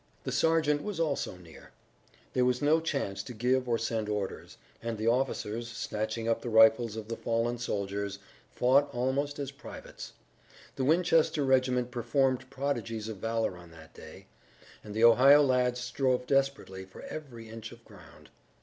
The sergeant was also near. There was no chance to give or send orders, and the officers, snatching up the rifles of the fallen soldiers, fought almost as privates. The Winchester regiment performed prodigies of valor on that day, and the Ohio lads strove desperately for every inch of ground.